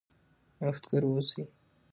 نوښتګر اوسئ.